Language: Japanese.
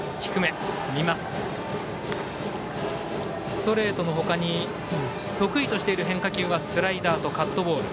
ストレートの他に得意としている変化球はスライダーとカットボール。